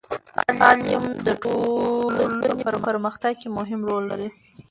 تعلیم د ټولنې په پرمختګ کې مهم رول لري.